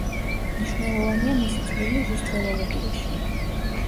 მნიშვნელოვანია მისი წვლილი რუსთველოლოგიაში.